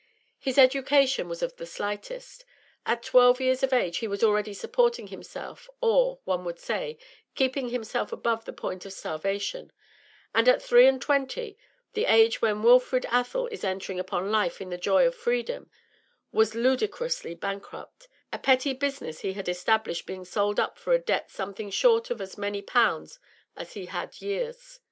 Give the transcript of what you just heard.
His education was of the slightest; at twelve years of age he was already supporting himself, or, one would say, keeping himself above the point of starvation; and at three and twenty the age when Wilfrid Athel is entering upon life in the joy of freedom was ludicrously bankrupt, a petty business he had established being sold up for a debt something short of as many pounds as he had years.